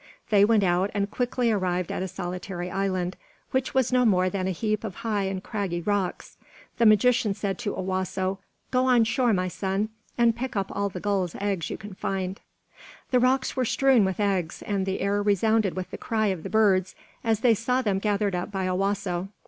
They went out and quickly arrived at a solitary island, which was no more than a heap of high and craggy rocks. The magician said to Owasso, "Go on shore, my son, and pick up all the gulls' eggs you can find." The rocks were strewn with eggs, and the air resounded with the cry of the birds as they saw them gathered up by Owasso.